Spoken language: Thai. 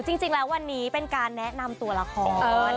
จริงแล้ววันนี้เป็นการแนะนำตัวละคร